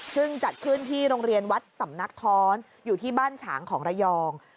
ซึ่งจัดขึ้นที่โรงเรียนวัดสำนักท้อนอยู่ที่บ้านฉางของระยอง